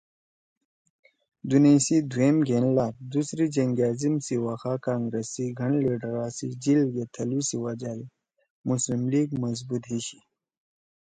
دُونیئی سی دُھوئم گھین لات )دوسری جنگِ عظیم (سی وخا کانگرس سی گَھن لیِڈرا سی جیل گے تھلُو سی وجہ دے مسلم لیگ مضبوط ہی شی